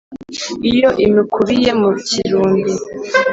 Iyo imukubiye mu kirumbi,